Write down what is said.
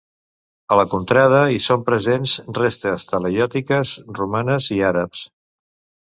A la contrada hi són presents restes talaiòtiques, romanes i àrabs.